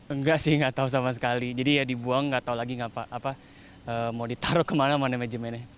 enggak sih enggak tahu sama sekali jadi ya dibuang enggak tahu lagi mau ditaruh kemana mana meja meja